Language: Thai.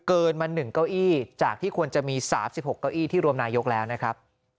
เกินมา๑เก้าอี้จากที่ควรจะมี๓๖เก้าอี้ที่รวมนายกแล้วนะครับ